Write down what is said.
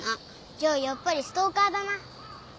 じゃあやっぱりストーカーだな。